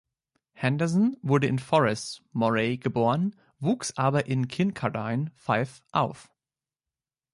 Henderson wurde in Forres (Moray) geboren, wuchs aber in Kincardine (Fife) auf.